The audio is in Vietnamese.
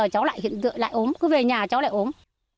cháu lại ốm cứ về nhà cháu lại ốm